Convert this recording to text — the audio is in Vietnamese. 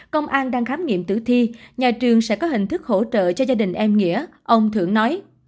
công an đang khám nghiệm tử thi nhà trường sẽ có hình thức hỗ trợ cho gia đình em nghĩa ông thượng nói